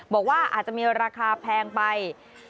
บอกว่าอาจจะมีราคาแพงไป